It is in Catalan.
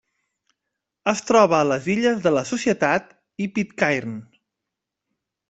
Es troba a les Illes de la Societat i Pitcairn.